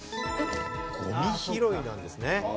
「ゴミ拾い」なんですね。